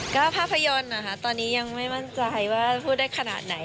ก็ภาพยนตร์นะคะตอนนี้ยังไม่มั่นใจว่าพูดได้ขนาดไหน